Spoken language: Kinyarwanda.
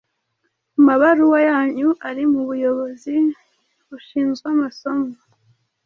Amabaruwa yanyu ari mu Buyobozi Bushinzwe Amasomo.